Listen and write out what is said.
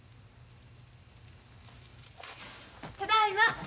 ただいま。